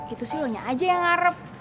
itu sih lo nya aja yang ngarep